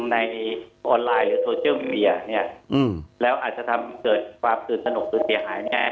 ในออนไลน์หรือเนี้ยอืมแล้วอาจจะทำเกิดความสื่อสนุกสุดเสียหายเนี้ย